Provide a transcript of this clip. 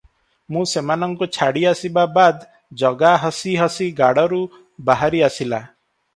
ମୁଁ ସେମାନଙ୍କୁ ଛାଡ଼ିଆସିବା ବାଦ୍ ଜଗା ହସି ହସି ଗାଡ଼ରୁ ବାହାରି ଆସିଲା!